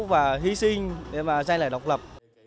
và hy sinh để mà gian lại độc lập